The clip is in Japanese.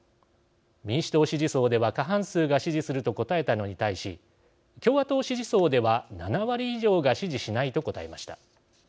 民主党支持層では過半数が「支持する」と答えたのに対し共和党支持層では７割以上が「支持しない」と答えました。